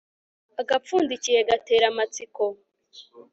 agapfundikiye gatera amatsiko